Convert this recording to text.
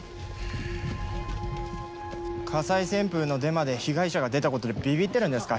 火災旋風のデマで被害者が出たことでビビってるんですか？